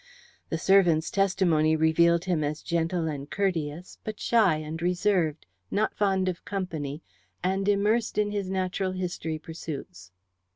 The servants' testimony revealed him as gentle and courteous, but shy and reserved, not fond of company, and immersed in his natural history pursuits.